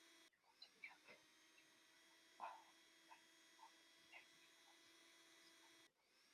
Su concepción de la sustancia como algo autárquico y activo facilita este acercamiento.